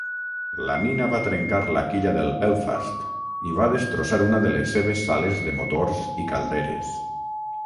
La mina va trencar la quilla del "Belfast" i va destrossar una de les seves sales de motors i calderes.